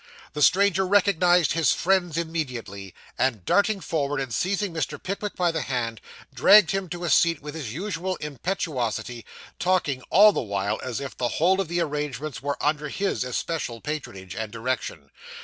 The stranger recognised his friends immediately; and, darting forward and seizing Mr. Pickwick by the hand, dragged him to a seat with his usual impetuosity, talking all the while as if the whole of the arrangements were under his especial patronage and direction.